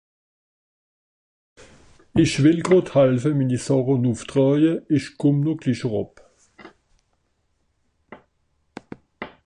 Ìch wìll gràd helfe, mini Sàche nùff traawe, ìch kùmm no glich eràb.